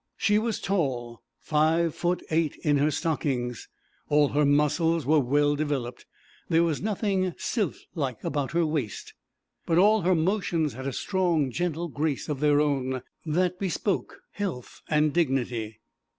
She was tall five foot eight in her stockings; all her muscles were well developed; there was nothing sylph like about her waist, but all her motions had a strong, gentle grace of their own that bespoke health and dignity.